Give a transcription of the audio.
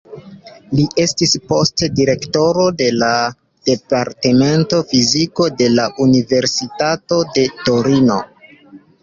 Li estis poste direktoro de la Departemento Fiziko de la Universitato de Torino.